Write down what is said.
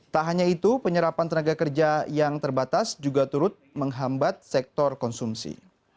tak hanya itu penyerapan tenaga kerja yang terbatas juga turut menghambat sektor konsumsi